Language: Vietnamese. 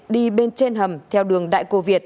đi bên trên hầm theo đường đại cổ việt